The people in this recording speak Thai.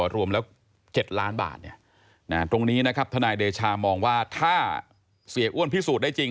รวมแล้ว๗ล้านบาทตรงนี้นะครับทนายเดชามองว่าถ้าเสียอ้วนพิสูจน์ได้จริง